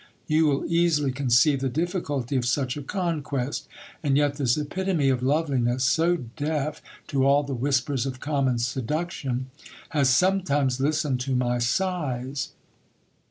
You will easily conceive the difficulty of such a conquest And yet this epitome of loveliness, so deaf 10 all the whispers of common seduction, has sometimes listened to my sighs.